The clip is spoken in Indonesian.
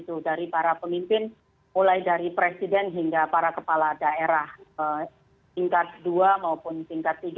tidak para kepala daerah tingkat dua maupun tingkat tiga